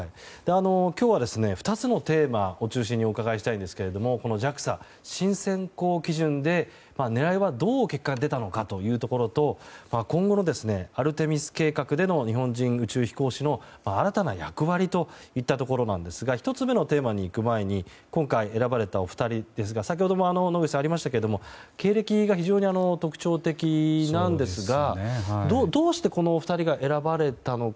今日は２つのテーマを中心にお伺いしたいんですがＪＡＸＡ、新選考基準で狙いはどう結果に出たのかというところと今後のアルテミス計画での日本人宇宙飛行士の新たな役割といったところですが１つ目のテーマにいく前に今回、選ばれたお二人ですが野口さんからありましたけども経歴が非常に特徴的なんですがどうして、このお二人が選ばれたのか。